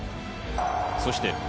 そして